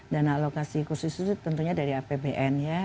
dana alokasi khusus itu tentunya dari apbn ya